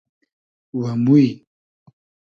و موی